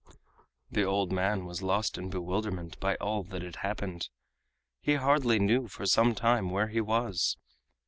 The old man was lost in bewilderment by all that had happened. He hardly knew for some time where he was.